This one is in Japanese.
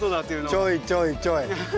ちょいちょいちょい！